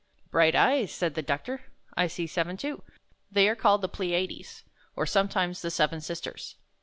12 "Bright eyes!" said the doctor. "I see seven, too. They are called the Ple' ia des, or sometimes the Seven Sisters.